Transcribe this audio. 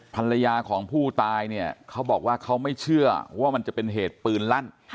ภรรยาของผู้ตายเนี่ยเขาบอกว่าเขาไม่เชื่อว่ามันจะเป็นเหตุปืนลั่น